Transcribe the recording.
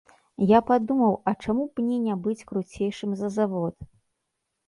Я падумаў, а чаму б мне не быць круцейшым за завод.